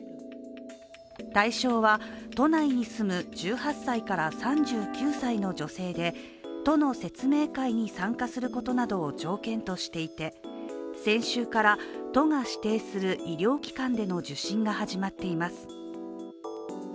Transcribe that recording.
対象は都内に住む１８歳から３９歳の女性で都の説明会に参加することなどを条件としていて先週から都が指定する医療機関での受診が始まっています。